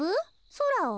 そらを？